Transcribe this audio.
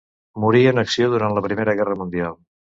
Morí en acció durant la Primera Guerra Mundial.